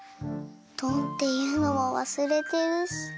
「ドン」っていうのもわすれてるし。